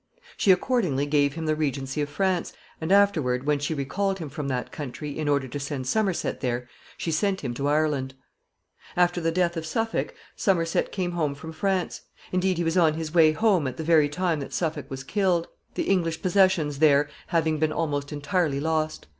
She accordingly gave him the regency of France, and afterward, when she recalled him from that country in order to send Somerset there, she sent him to Ireland. [Sidenote: Somerset's return to England.] After the death of Suffolk, Somerset came home from France. Indeed, he was on his way home at the very time that Suffolk was killed, the English possessions there having been almost entirely lost.